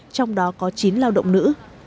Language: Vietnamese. trong đó có chín lao động nữ